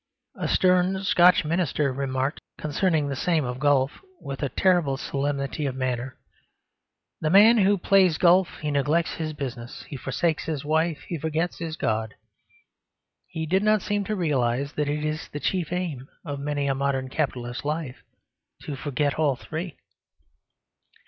A stern Scotch minister remarked concerning the game of golf, with a terrible solemnity of manner, "the man who plays golf he neglects his business, he forsakes his wife, he forgets his God." He did not seem to realise that it is the chief aim of many a modern capitalist's life to forget all three.